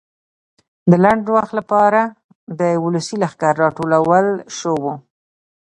د لنډ وخت لپاره د ولسي لښکر راټولول شو وو.